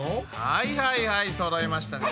はいはいはいそろいましたね。